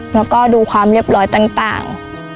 แล้วก็ดูความเรียบร้อยต่าง